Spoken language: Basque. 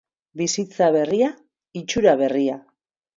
Bizitza berria, itxura berria.